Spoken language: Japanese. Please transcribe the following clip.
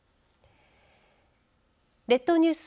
列島ニュース